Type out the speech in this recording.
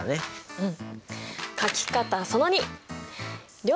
うん。